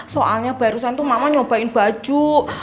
soalnya barusan tuh mama nyobain baju